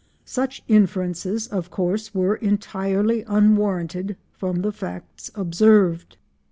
Such inferences, of course, were entirely unwarranted from the facts observed.